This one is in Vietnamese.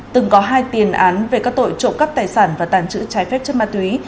từng có hai tiền án về các tội trộm cắp tài sản và tàng trữ trái phép chất ma túy